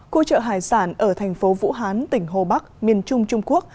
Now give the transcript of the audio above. cô trợ hải sản ở thành phố vũ hán tỉnh hồ bắc miền trung trung quốc